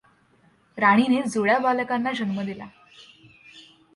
राणीने जुळ्या बालकांना जन्म दिला.